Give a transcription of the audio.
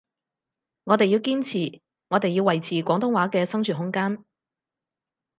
我哋要堅持，我哋要維持廣東話嘅生存空間